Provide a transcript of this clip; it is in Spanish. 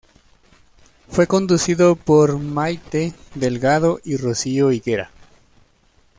Fue conducido por Maite Delgado y Rocío Higuera.